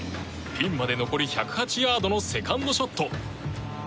ピンまで残り１０８ヤードのセカンドショット。